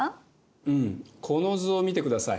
うんこの図を見てください。